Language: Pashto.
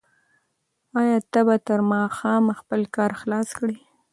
آیا ته به تر ماښامه خپل کار خلاص کړې؟